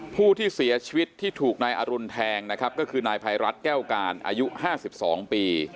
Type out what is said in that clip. ผู้ที่เสียชีวิตที่ถูกนายอรุณแทงนะครับก็คือนายภัยรัฐแก้วการอายุ๕๒ปี